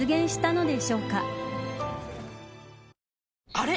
あれ？